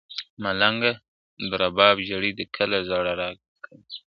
ملنګه ! د رباب ژړي د کله ﺯړه را کنې ..